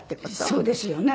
そうですよね。